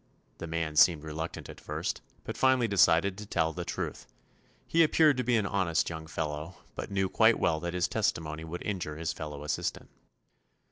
The man seemed reluctant at first, but finally decided to tell the truth. He appeared to be an honest young fellow, but knew quite well that his testimony would injure his fellow assistant.